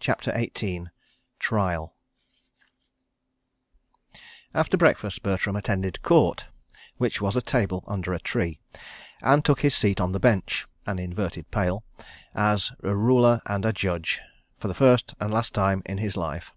CHAPTER XVIII Trial After breakfast Bertram attended Court, which was a table under a tree, and took his seat on the Bench, an inverted pail, as a Ruler and a Judge, for the first and last time in his life.